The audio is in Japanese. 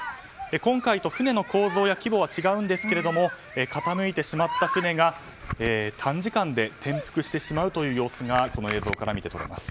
今回と船の構造や規模は違うんですが傾いてしまった船が短時間で転覆してしまうという様子がこの映像から見て取れます。